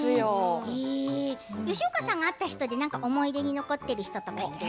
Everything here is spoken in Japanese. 吉岡さんが会った人で思い出に残っている人いる？